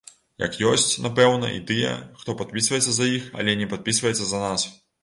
Як ёсць, напэўна, і тыя, хто падпісваецца за іх, але не падпісваецца за нас.